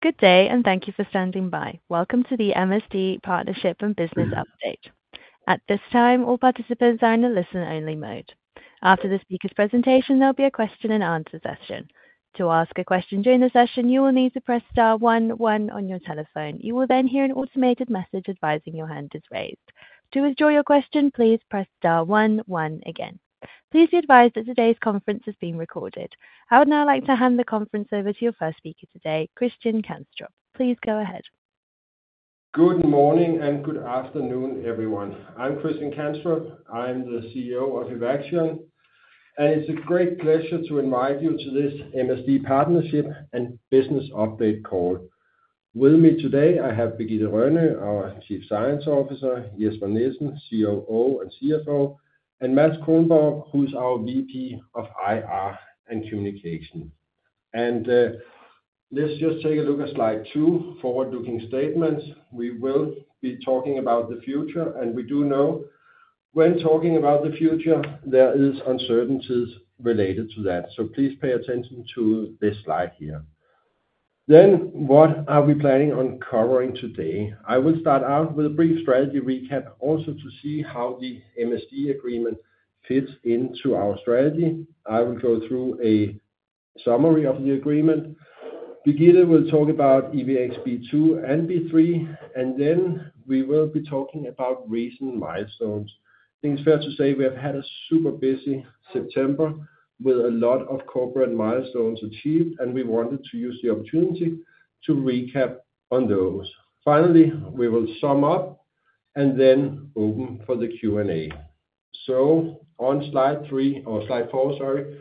Good day, and thank you for standing by. Welcome to the MSD Partnership and Business Update. At this time, all participants are in a listen-only mode. After the speaker's presentation, there'll be a question and answer session. To ask a question during the session, you will need to press star one one on your telephone. You will then hear an automated message advising your hand is raised. To withdraw your question, please press star one one again. Please be advised that today's conference is being recorded. I would now like to hand the conference over to your first speaker today, Christian Kanstrup. Please go ahead. Good morning, and good afternoon, everyone. I'm Christian Kanstrup. I'm the CEO of Evaxion, and it's a great pleasure to invite you to this MSD Partnership and Business Update call. With me today, I have Birgitte Rønø, our Chief Science Officer, Jesper Nielsen, COO and CFO, and Mads Kronborg, who's our VP of IR and Communication, and let's just take a look at slide two, forward-looking statements. We will be talking about the future, and we do know when talking about the future, there is uncertainties related to that, so please pay attention to this slide here, then what are we planning on covering today? I will start out with a brief strategy recap, also to see how the MSD agreement fits into our strategy. I will go through a summary of the agreement. Birgitte will talk about EVX-B2 and EVX-B3, and then we will be talking about recent milestones. I think it's fair to say we have had a super busy September with a lot of corporate milestones achieved, and we wanted to use the opportunity to recap on those. Finally, we will sum up and then open for the Q&A. So on slide three or slide four, sorry,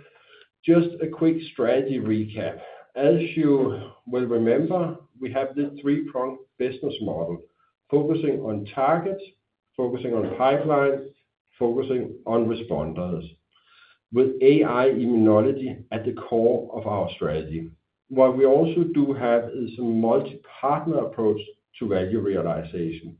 just a quick strategy recap. As you will remember, we have the three-pronged business model: focusing on targets, focusing on pipelines, focusing on responders, with AI-immunology at the core of our strategy. What we also do have is a multi-partner approach to value realization.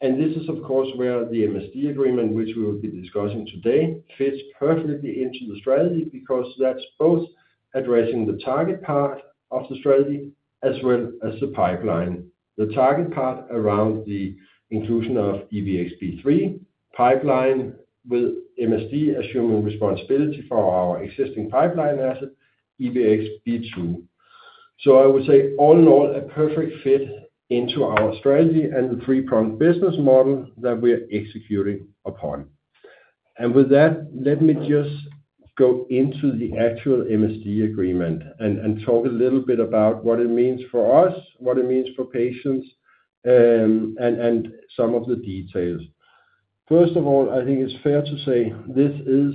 And this is, of course, where the MSD agreement, which we will be discussing today, fits perfectly into the strategy, because that's both addressing the target part of the strategy as well as the pipeline. The target part around the inclusion of EVX-B3 pipeline, with MSD assuming responsibility for our existing pipeline asset, EVX-B2. So I would say, all in all, a perfect fit into our strategy and the three-pronged business model that we are executing upon. And with that, let me just go into the actual MSD agreement and talk a little bit about what it means for us, what it means for patients, and some of the details. First of all, I think it's fair to say this is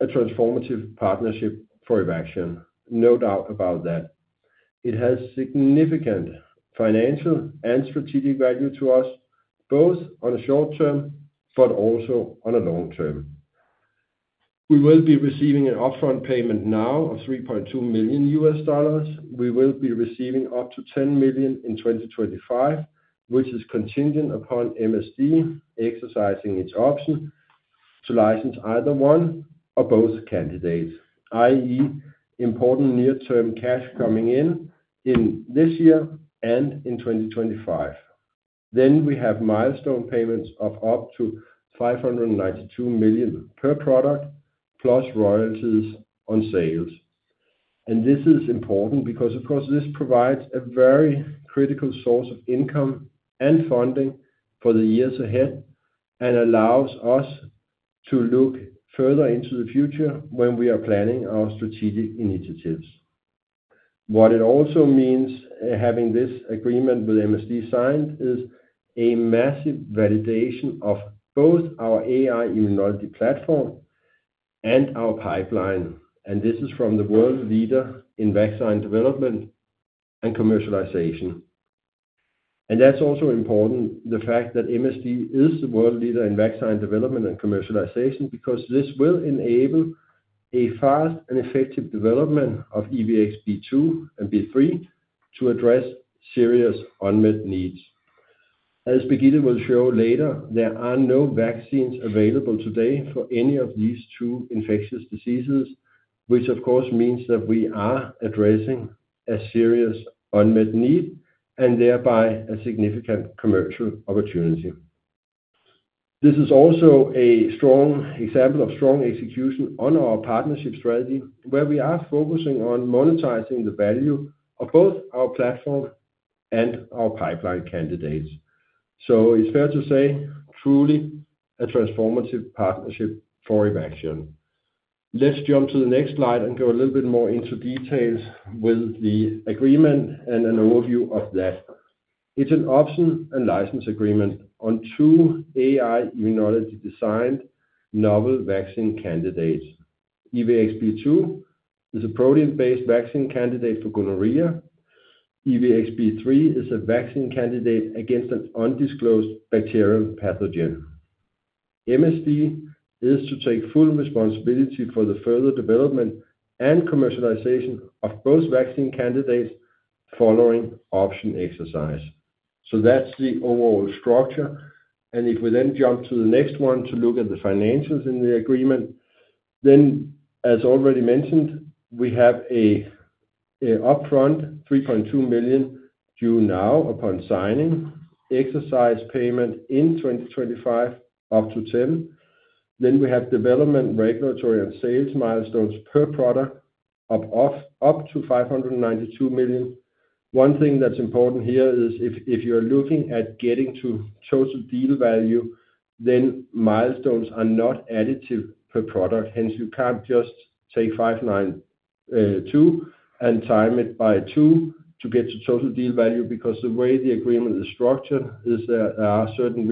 a transformative partnership for Evaxion. No doubt about that. It has significant financial and strategic value to us, both on a short term, but also on a long term. We will be receiving an upfront payment now of $3.2 million. We will be receiving up to $10 million in 2025, which is contingent upon MSD exercising its option to license either one or both candidates, i.e., important near-term cash coming in in this year and in 2025. Then we have milestone payments of up to $592 million per product, plus royalties on sales. And this is important because, of course, this provides a very critical source of income and funding for the years ahead, and allows us to look further into the future when we are planning our strategic initiatives. What it also means, having this agreement with MSD signed, is a massive validation of both our AI immunology platform and our pipeline, and this is from the world leader in vaccine development and commercialization. And that's also important, the fact that MSD is the world leader in vaccine development and commercialization, because this will enable a fast and effective development of EVX-B2 and EVX-B3 to address serious unmet needs. As Birgitte will show later, there are no vaccines available today for any of these two infectious diseases, which of course, means that we are addressing a serious unmet need and thereby a significant commercial opportunity. This is also a strong example of strong execution on our partnership strategy, where we are focusing on monetizing the value of both our platform and our pipeline candidates. So it's fair to say, truly a transformative partnership for Evaxion. Let's jump to the next slide and go a little bit more into details with the agreement and an overview of that. It's an option and license agreement on two AI-Immunology-designed novel vaccine candidates. EVX-B2 is a protein-based vaccine candidate for gonorrhea. EVX-B3 is a vaccine candidate against an undisclosed bacterial pathogen. MSD is to take full responsibility for the further development and commercialization of both vaccine candidates following option exercise. So that's the overall structure. And if we then jump to the next one to look at the financials in the agreement, then as already mentioned, we have a upfront $3.2 million due now upon signing, exercise payment in 2025, up to $10 million. Then we have development, regulatory, and sales milestones per product of up to $592 million. One thing that's important here is if you're looking at getting to total deal value, then milestones are not additive per product. Hence, you can't just take 592 and time it by two to get to total deal value, because the way the agreement is structured is there are certain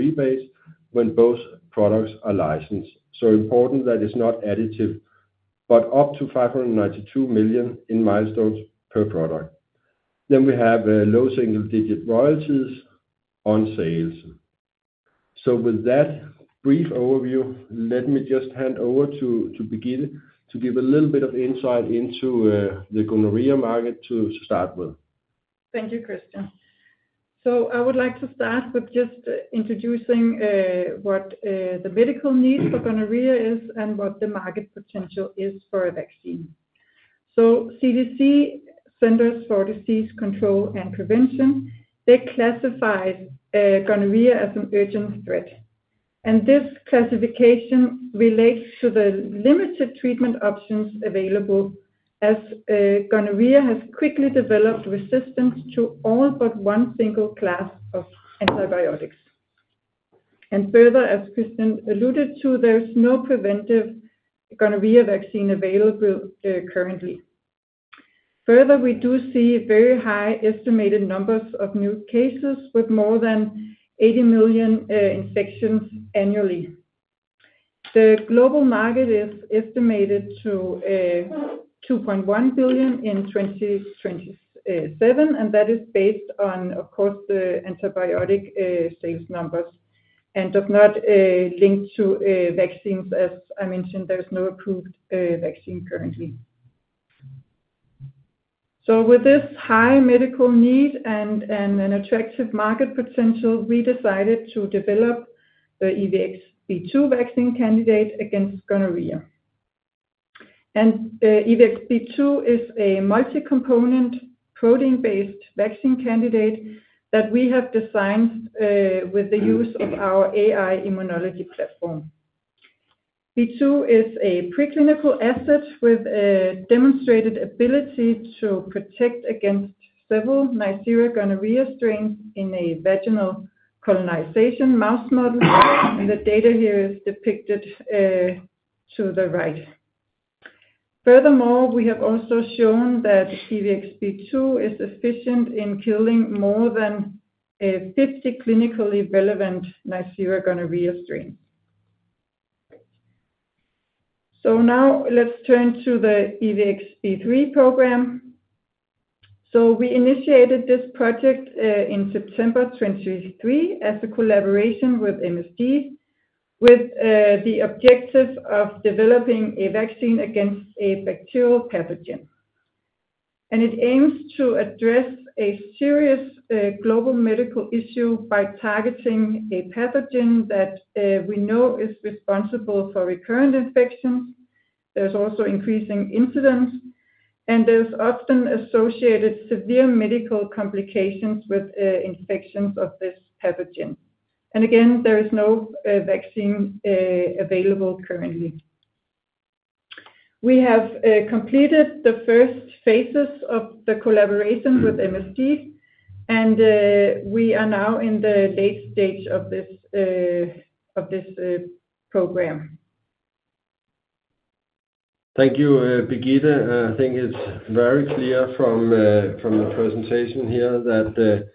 rebates when both products are licensed. So important, that is not additive, but up to $592 million in milestones per product. Then we have low single-digit royalties on sales. So with that brief overview, let me just hand over to Birgitte to give a little bit of insight into the gonorrhea market to start with. Thank you, Christian. So I would like to start with just introducing, what, the medical needs for gonorrhea is and what the market potential is for a vaccine. So CDC, Centers for Disease Control and Prevention, they classify, gonorrhea as an urgent threat. And this classification relates to the limited treatment options available, as, gonorrhea has quickly developed resistance to all but one single class of antibiotics. And further, as Christian alluded to, there is no preventive gonorrhea vaccine available, currently. Further, we do see very high estimated numbers of new cases, with more than 80 million infections annually. The global market is estimated to $2.1 billion in 2027, and that is based on, of course, the antibiotic sales numbers, and does not link to vaccines. As I mentioned, there is no approved vaccine currently, so with this high medical need and an attractive market potential, we decided to develop the EVX-B2 vaccine candidate against gonorrhea, and EVX-B2 is a multi-component, protein-based vaccine candidate that we have designed with the use of our AI immunology platform. B2 is a preclinical asset with a demonstrated ability to protect against several Neisseria gonorrhoeae strains in a vaginal colonization mouse model, and the data here is depicted to the right. Furthermore, we have also shown that EVX-B2 is efficient in killing more than 50 clinically relevant Neisseria gonorrhoeae strains, so now let's turn to the EVX-B3 program, so we initiated this project in September 2023, as a collaboration with MSD, with the objective of developing a vaccine against a bacterial pathogen. And it aims to address a serious global medical issue by targeting a pathogen that we know is responsible for recurrent infections. There's also increasing incidence, and there's often associated severe medical complications with infections of this pathogen. And again, there is no vaccine available currently. We have completed the first phases of the collaboration with MSD, and we are now in the late stage of this program. Thank you, Birgitte. I think it's very clear from the presentation here that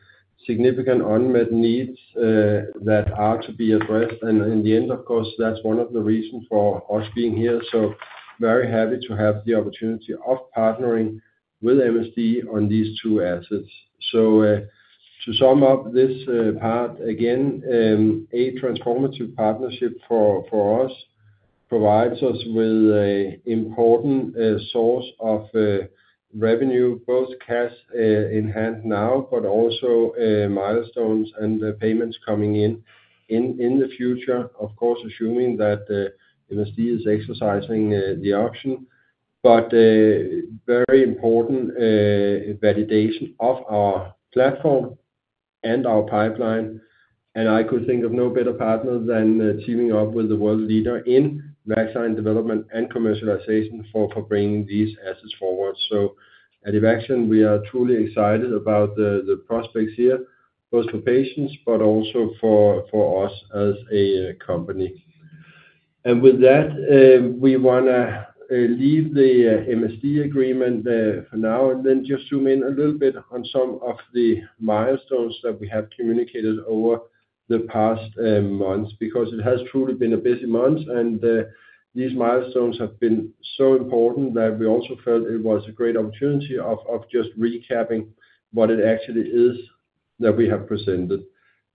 significant unmet needs that are to be addressed. And in the end, of course, that's one of the reasons for us being here. So very happy to have the opportunity of partnering with MSD on these two assets. So to sum up this part again, a transformative partnership for us provides us with a important source of revenue, both cash in hand now, but also milestones and payments coming in the future. Of course, assuming that MSD is exercising the option, but a very important validation of our platform and our pipeline. And I could think of no better partner than teaming up with the world leader in vaccine development and commercialization for bringing these assets forward. So at Evaxion, we are truly excited about the prospects here, both for patients, but also for us as a company. And with that, we want to leave the MSD agreement for now, and then just zoom in a little bit on some of the milestones that we have communicated over the past months. Because it has truly been a busy month, and these milestones have been so important that we also felt it was a great opportunity of just recapping what it actually is that we have presented.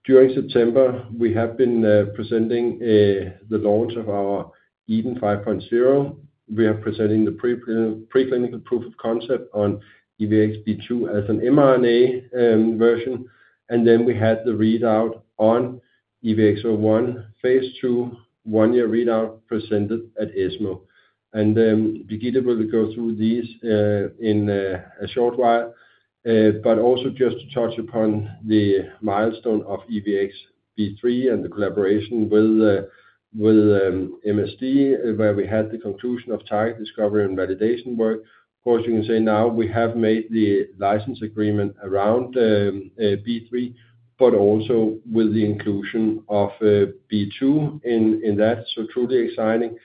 During September, we have been presenting the launch of our EDEN 5.0. We are presenting the preclinical proof of concept on EVX-B2 as an mRNA version, and then we had the readout on EVX-01, phase II, one-year readout presented at ESMO. And Birgitte will go through these in a short while. But also just to touch upon the milestone of EVX-B3 and the collaboration with MSD, where we had the conclusion of target discovery and validation work. Of course, you can say now we have made the license agreement around B3, but also with the inclusion of B2 in that, so truly exciting.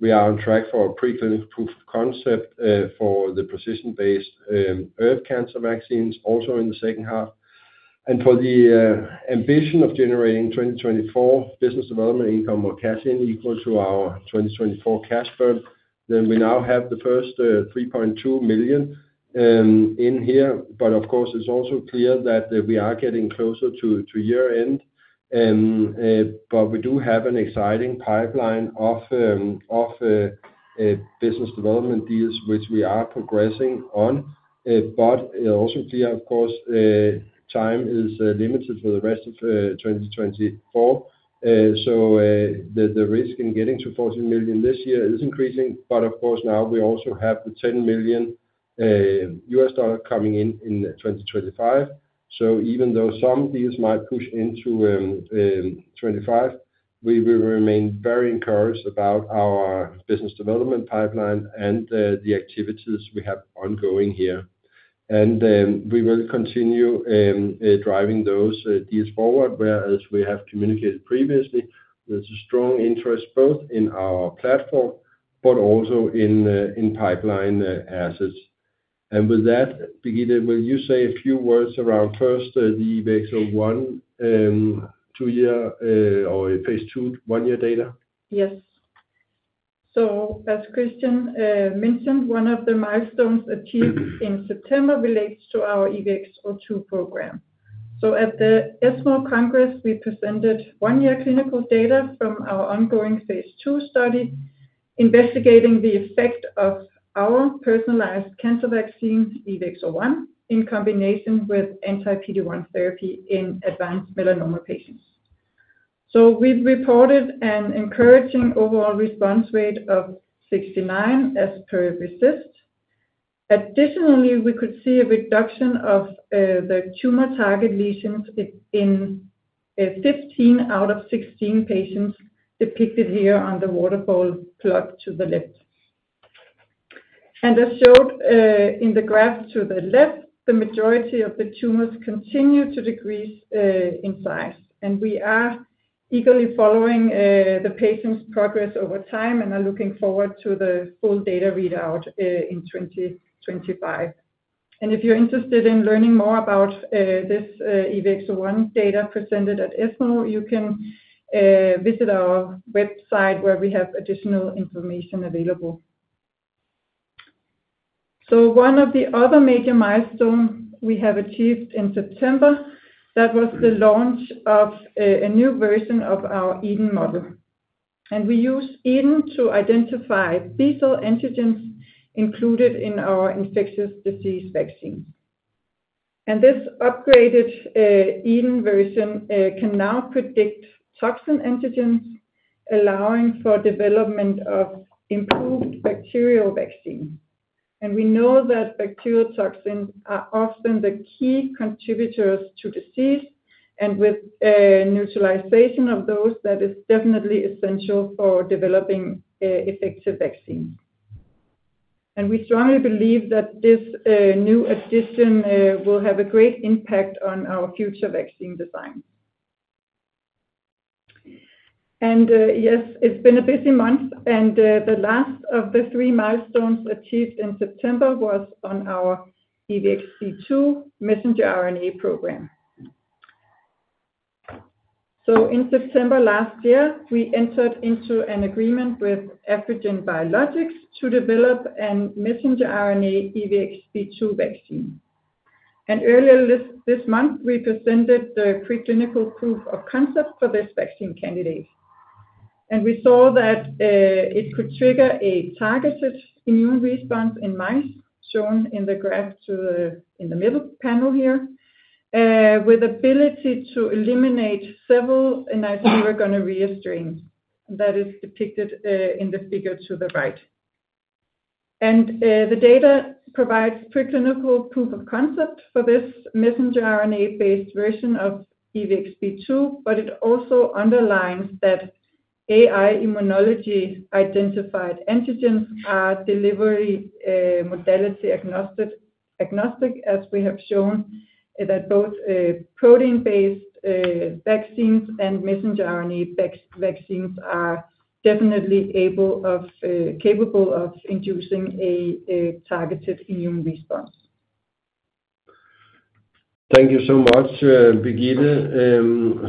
We are on track for a preclinical proof of concept for the precision-based ERV cancer vaccines, also in the H2. And for the ambition of generating 2024 business development income or cash in equal to our 2024 cash burn, then we now have the first $3.2 million in here. But of course, it's also clear that we are getting closer to year-end. But we do have an exciting pipeline of business development deals, which we are progressing on. But also clear, of course, time is limited for the rest of 2024. So the risk in getting to $14 million this year is increasing, but of course, now we also have the $10 million coming in, in 2025. So even though some deals might push into 2025, we will remain very encouraged about our business development pipeline and the activities we have ongoing here. And we will continue driving those deals forward, whereas we have communicated previously, there's a strong interest both in our platform, but also in pipeline assets. With that, Birgitte, will you say a few words around first, the EVX-01 two-year or phase II one-year data? Yes. As Christian mentioned, one of the milestones achieved in September relates to our EVX-02 program. At the ESMO Congress, we presented one-year clinical data from our ongoing phase II study, investigating the effect of our personalized cancer vaccine, EVX-01, in combination with anti-PD-1 therapy in advanced melanoma patients. We've reported an encouraging overall response rate of 69%, as per RECIST. Additionally, we could see a reduction of the tumor target lesions in 15 out of 16 patients, depicted here on the waterfall plot to the left. As shown in the graph to the left, the majority of the tumors continue to decrease in size, and we are eagerly following the patient's progress over time and are looking forward to the full data readout in 2025. And if you're interested in learning more about this EVX-01 data presented at ESMO, you can visit our website, where we have additional information available. So one of the other major milestone we have achieved in September, that was the launch of a new version of our EDEN model. And we use EDEN to identify lethal antigens included in our infectious disease vaccine. And this upgraded EDEN version can now predict toxin antigens, allowing for development of improved bacterial vaccine. And we know that bacterial toxins are often the key contributors to disease, and with neutralization of those, that is definitely essential for developing a effective vaccine. And we strongly believe that this new addition will have a great impact on our future vaccine design. Yes, it's been a busy month, and the last of the three milestones achieved in September was on our EVX-B2 messenger RNA program, so in September last year, we entered into an agreement with Afrigen Biologics to develop an messenger RNA EVX-B2 vaccine. Earlier this month, we presented the preclinical proof of concept for this vaccine candidate, and we saw that it could trigger a targeted immune response in mice, shown in the graph in the middle panel here, with ability to eliminate several Neisseria gonorrhoeae strains. That is depicted in the figure to the right. The data provides preclinical proof of concept for this messenger RNA-based version of EVX-B2, but it also underlines that AI immunology-identified antigens are delivery modality agnostic, as we have shown, that both protein-based vaccines and messenger RNA vaccines are definitely capable of inducing a targeted immune response. Thank you so much, Birgitte.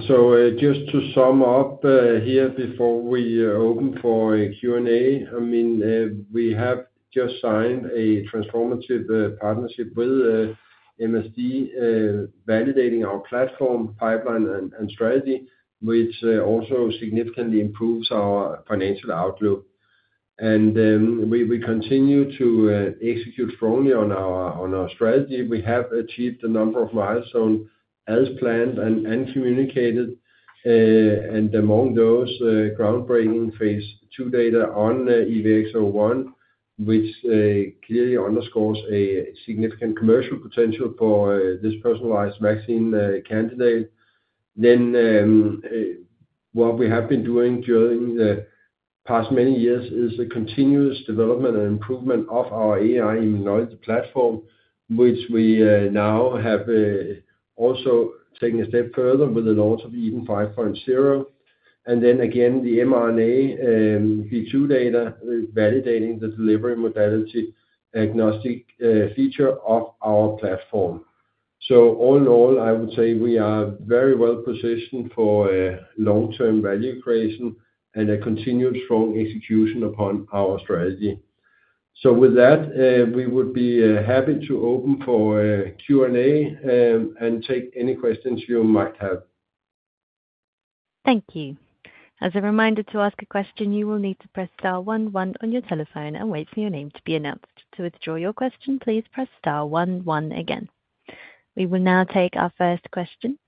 So, just to sum up, here before we open for a Q&A, I mean, we have just signed a transformative partnership with MSD, validating our platform, pipeline, and strategy, which also significantly improves our financial outlook. We continue to execute strongly on our strategy. We have achieved a number of milestones as planned and communicated, and among those, groundbreaking phase II data on EVX-01, which clearly underscores a significant commercial potential for this personalized vaccine candidate. What we have been doing during the past many years is a continuous development and improvement of our AI immunology platform, which we now have also taken a step further with the launch of EDEN 5.0. And then again, the mRNA B2 data validating the delivery modality agnostic feature of our platform. So all in all, I would say we are very well positioned for a long-term value creation and a continued strong execution upon our strategy. So with that, we would be happy to open for a Q&A and take any questions you might have. Thank you. As a reminder to ask a question, you will need to press star one one on your telephone and wait for your name to be announced. To withdraw your question, please press star one one again. We will now take our first question.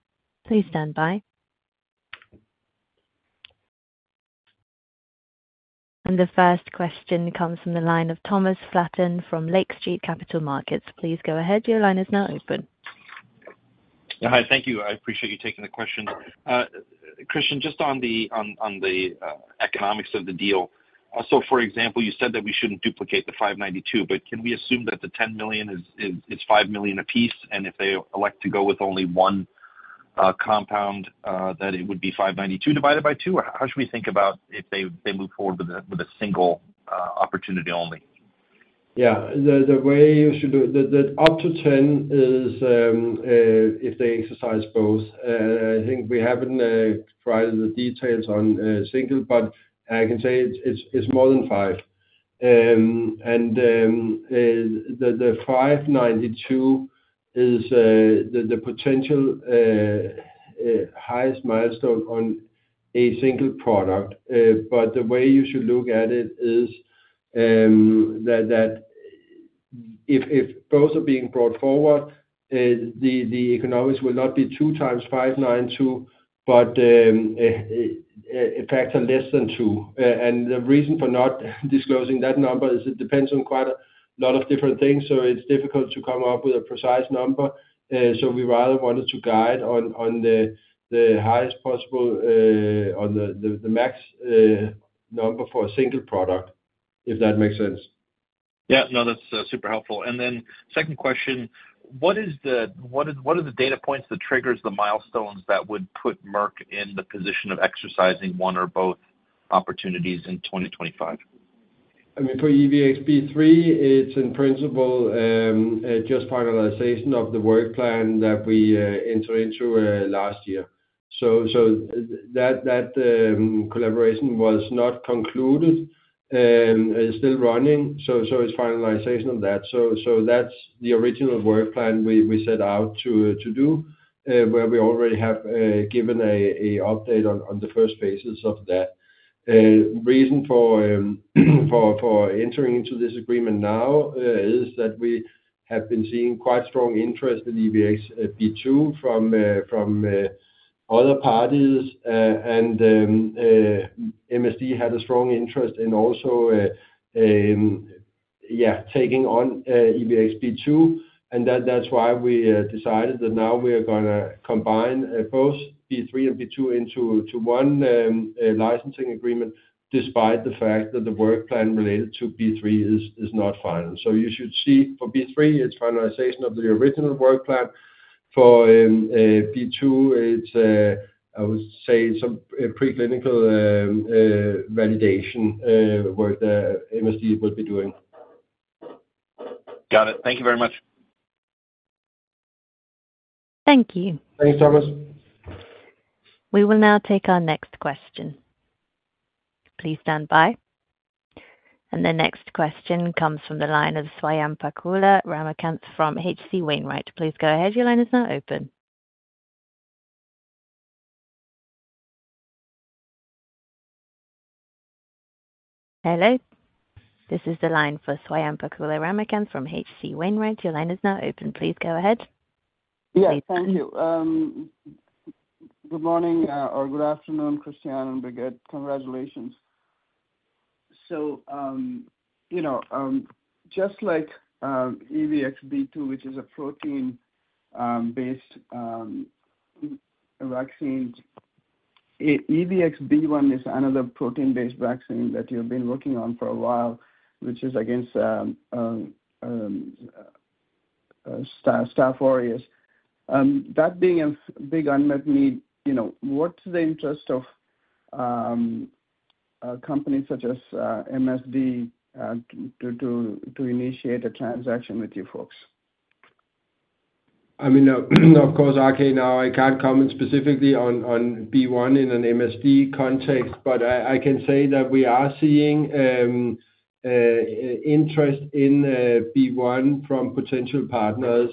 Please stand by, and the first question comes from the line of Thomas Flaten from Lake Street Capital Markets. Please go ahead. Your line is now open. Hi, thank you. I appreciate you taking the question. Christian, just on the economics of the deal. So for example, you said that we shouldn't duplicate the $592, but can we assume that the $10 million, it's $5 million a piece, and if they elect to go with only one compound, that it would be $592 divided by two? Or how should we think about if they move forward with a single opportunity only? Yeah. The way you should do the up to ten is if they exercise both. I think we haven't provided the details on single, but I can say it's more than five, and the five ninety-two is the potential highest milestone on a single product, but the way you should look at it is that if both are being brought forward, the economics will not be 2x $592, but a factor less than two, and the reason for not disclosing that number is it depends on quite a lot of different things, so it's difficult to come up with a precise number. So we rather wanted to guide on the highest possible, on the max number for a single product, if that makes sense. Yeah. No, that's super helpful. And then second question: What are the data points that triggers the milestones that would put Merck in the position of exercising one or both opportunities in twenty twenty-five? I mean, for EVX-B3, it's in principle just finalization of the work plan that we entered into last year. So that collaboration was not concluded, it's still running, so it's finalization of that. So that's the original work plan we set out to do, where we already have given an update on the first phases of that. Reason for entering into this agreement now is that we have been seeing quite strong interest in EVX-B2 from other parties. MSD had a strong interest in also taking on EVX-B2, and that's why we decided that now we are gonna combine both B3 and B2 into one licensing agreement, despite the fact that the work plan related to B3 is not final. So you should see for B3, it's finalization of the original work plan. For B2, it's I would say some preclinical validation work the MSD will be doing. Got it. Thank you very much. Thank you. Thanks, Thomas. We will now take our next question. Please stand by. And the next question comes from the line of Swayampakula Ramakanth from H.C. Wainwright. Please go ahead. Your line is now open. Hello, this is the line for Swayampakula Ramakanth from H.C. Wainwright. Your line is now open. Please go ahead. Yes, thank you. Good morning, or good afternoon, Christian and Birgitte. Congratulations. So, you know, just like EVX-B2, which is a protein-based vaccine, EVX-B1 is another protein-based vaccine that you've been working on for a while, which is against Staph aureus. That being a big unmet need, you know, what's the interest of companies such as MSD to initiate a transaction with you folks? I mean, of course, okay, now, I can't comment specifically on B1 in an MSD context, but I can say that we are seeing interest in B1 from potential partners.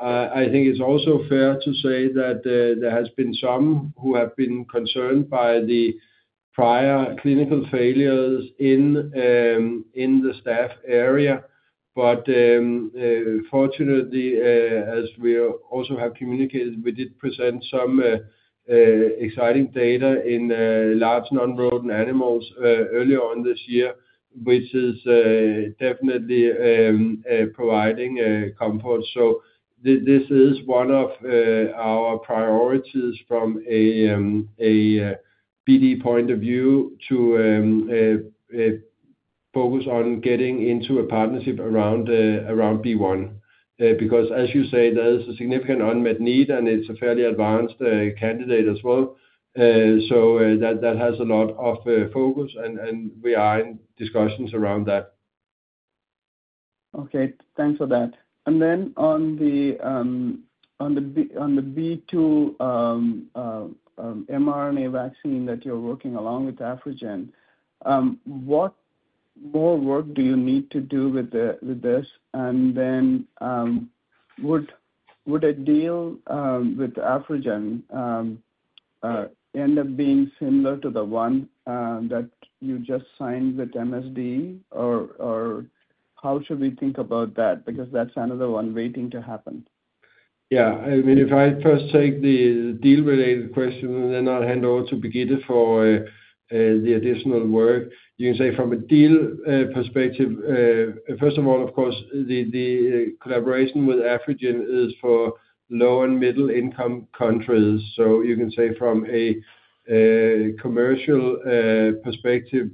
I think it's also fair to say that there has been some who have been concerned by the prior clinical failures in the Staph area. But, fortunately, as we also have communicated, we did present some exciting data in large non-rodent animals earlier on this year, which is definitely providing comfort. So this is one of our priorities from a BD point of view, to focus on getting into a partnership around B1. Because as you say, there is a significant unmet need, and it's a fairly advanced candidate as well. So, that has a lot of focus, and we are in discussions around that. Okay, thanks for that. And then on the B2 mRNA vaccine that you're working along with Afrigen, what more work do you need to do with this? And then, would a deal with Afrigen end up being similar to the one that you just signed with MSD? Or how should we think about that? Because that's another one waiting to happen. Yeah. I mean, if I first take the deal-related question, and then I'll hand over to Birgitte for the additional work. You can say from a deal perspective, first of all, of course, the collaboration with Afrigen is for low and middle-income countries. So you can say from a commercial perspective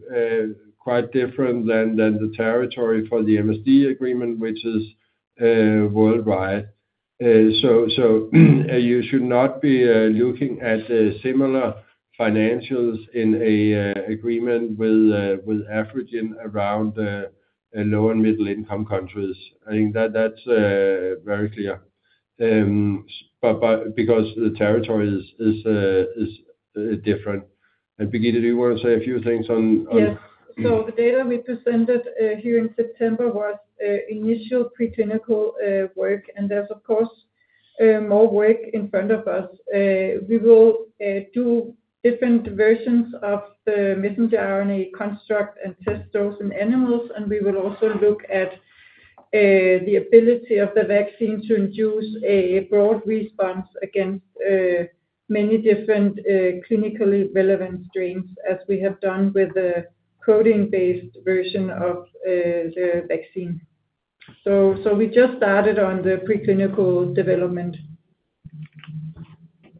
quite different than the territory for the MSD agreement, which is worldwide. So you should not be looking at the similar financials in a agreement with Afrigen around the low and middle-income countries. I think that that's very clear. But because the territory is different. And Birgitte, do you want to say a few things on on- Yes. So the data we presented here in September was initial preclinical work, and there's, of course, more work in front of us. We will do different versions of the messenger RNA construct and test those in animals. We will also look at the ability of the vaccine to induce a broad response against many different clinically relevant strains, as we have done with the coding-based version of the vaccine. So we just started on the preclinical development.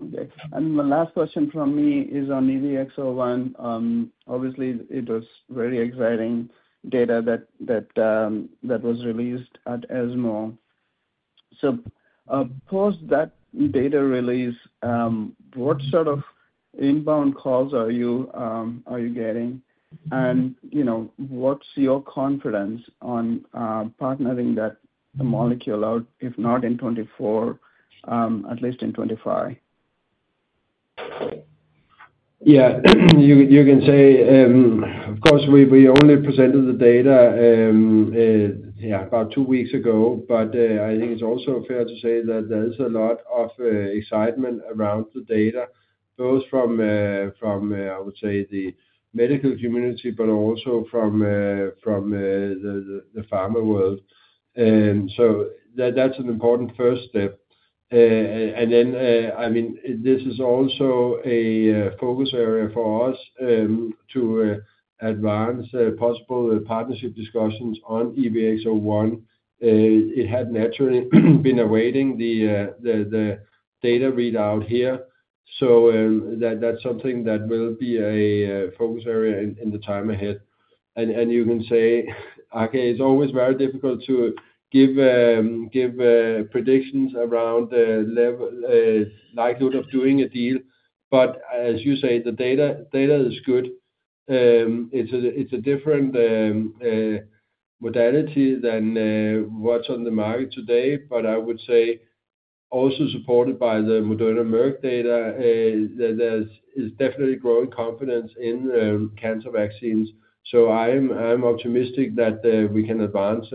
Okay. And the last question from me is on EVX-01. Obviously, it was very exciting data that was released at ESMO. So, post that data release, what sort of inbound calls are you getting? And, you know, what's your confidence on partnering that molecule out, if not in 2024, at least in 2025? Yeah, you can say, of course, we only presented the data, yeah, about two weeks ago, but I think it's also fair to say that there is a lot of excitement around the data, both from, I would say, the medical community, but also from the pharma world. So that's an important first step. And then, I mean, this is also a focus area for us to advance possible partnership discussions on EVX-01. It had naturally been awaiting the data readout here, so that's something that will be a focus area in the time ahead. And you can say, okay, it's always very difficult to give predictions around the likelihood of doing a deal. But as you say, the data is good. It's a different modality than what's on the market today. But I would say, also supported by the Moderna Merck data, that there is definitely growing confidence in cancer vaccines. So I'm optimistic that we can advance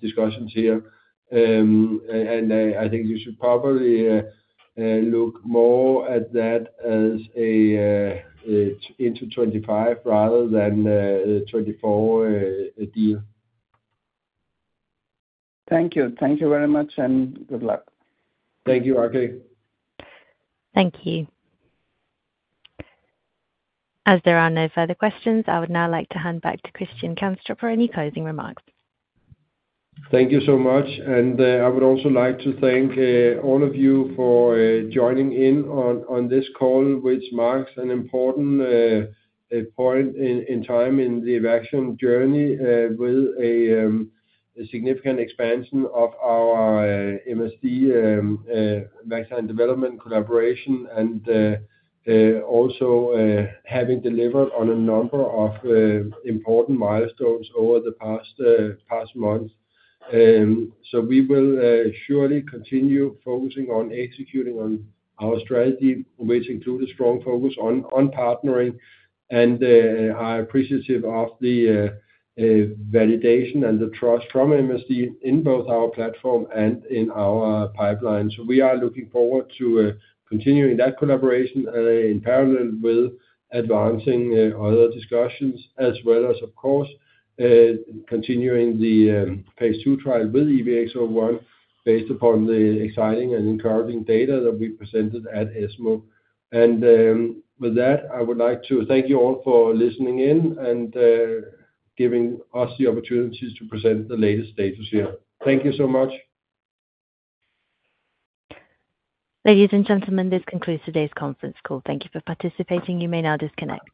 discussions here. And I think you should probably look more at that as into 2025 rather than 2024 deal. Thank you. Thank you very much, and good luck. Thank you, RK. Thank you. As there are no further questions, I would now like to hand back to Christian Kanstrup for any closing remarks. Thank you so much, and I would also like to thank all of you for joining in on this call, which marks an important point in time in the vaccine journey with a significant expansion of our MSD vaccine development collaboration, and also having delivered on a number of important milestones over the past months, so we will surely continue focusing on executing on our strategy, which includes a strong focus on partnering, and are appreciative of the validation and the trust from MSD in both our platform and in our pipelines. We are looking forward to continuing that collaboration in parallel with advancing other discussions, as well as, of course, continuing the phase II trial with EVX-01, based upon the exciting and encouraging data that we presented at ESMO. And with that, I would like to thank you all for listening in and giving us the opportunity to present the latest status here. Thank you so much. Ladies and gentlemen, this concludes today's conference call. Thank you for participating. You may now disconnect.